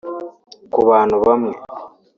Ku bantu bamwe